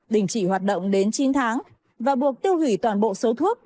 đình chỉ hoạt động đến chín tháng và buộc tiêu hủy toàn bộ số thuốc